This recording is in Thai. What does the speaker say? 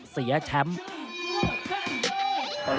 เตรียมป้องกันแชมป์ที่ไทยรัฐไฟล์นี้โดยเฉพาะ